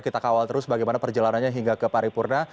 kita kawal terus bagaimana perjalanannya hingga ke paripurna